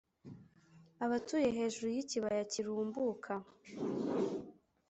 abatuye hejuru y’ikibaya kirumbuka.